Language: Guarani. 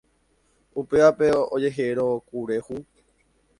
upévape ojehero kure hũ.